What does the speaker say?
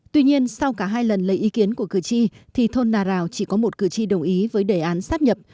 tuy nhiên sau cả hai lần lấy ý kiến của cử tri thì thôn nà rào chỉ có một cử tri đồng ý với đề án sắp nhập